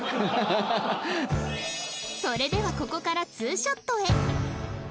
それではここから２ショットへ